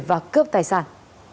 và cướp tài sản